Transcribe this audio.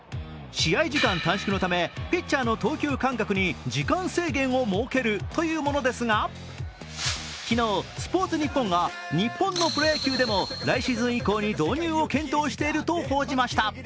試合時間短縮のためピッチャーの投球間隔に時間制限を設けるというものですが昨日、「スポーツニッポン」が日本のプロ野球でも来シーズン以降に導入を検討していると報じました。